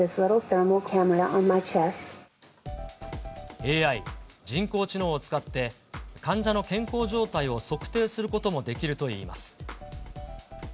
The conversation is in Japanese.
ＡＩ・人工知能を使って、患者の健康状態を測定することもできるといいます。